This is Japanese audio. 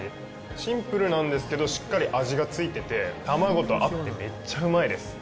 シンプルなんですけどしっかり味が付いてて、卵と合って、めっちゃうまいです。